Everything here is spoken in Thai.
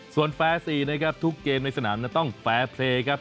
ส่วนแฟร์๔ทุกเกมในสนามต้องแฟร์เพลย์